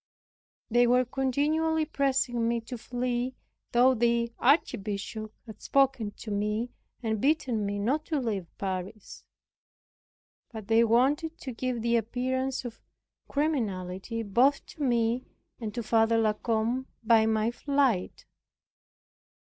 They were continually pressing me to flee, though the Archbishop had spoken to myself, and bidden me not to leave Paris. But they wanted to give the appearance of criminality both to me and to Father La Combe by my flight.